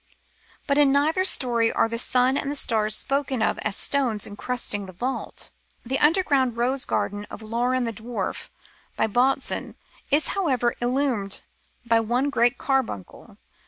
^ But in neither story are the sun and stars spoken of as stones incrusting the vault. The underground Rose garden of Laurin the Dwarf by Botzen, is, however, illumined by one great carbuncle.